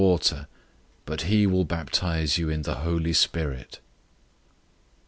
} water, but he will baptize you in the Holy Spirit."